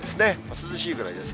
涼しいぐらいです。